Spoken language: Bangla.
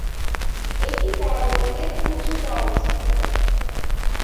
এটি পর্বতের উচুতে অবস্থিত।